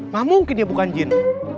nah mungkin dia bukan jin